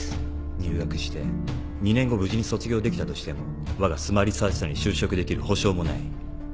入学して２年後無事に卒業できたとしてもわがスマ・リサーチ社に就職できる保証もない。